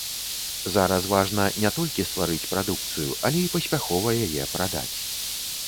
Зараз важна не толькі стварыць прадукцыю, але і паспяхова яе прадаць.